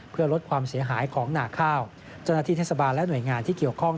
เพื่อลดความเสียหายของหนาข้าวเจ้าหน้าที่เทศบาลและหน่วยงานที่เกี่ยวข้อง